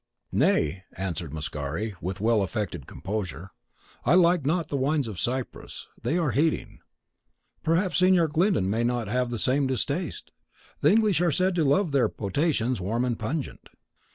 "Nay," answered Mascari, with well affected composure, "I like not the wines of Cyprus; they are heating. Perhaps Signor Glyndon may not have the same distaste? The English are said to love their potations warm and pungent."